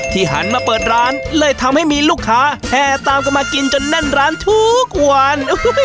หันมาเปิดร้านเลยทำให้มีลูกค้าแห่ตามกันมากินจนแน่นร้านทุกวัน